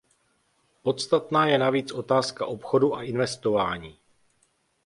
Podstatná je navíc otázka obchodu a investování.